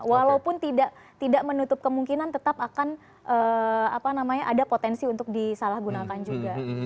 walaupun tidak menutup kemungkinan tetap akan ada potensi untuk disalahgunakan juga